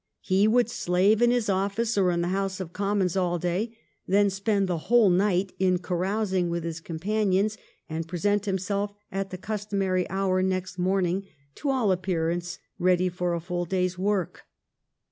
He would slave in his office or in the House of Commons all day, then spend the whole night in carousing with his companions, and present himself at the customary hour next morning to all appearance ready for a full day's work.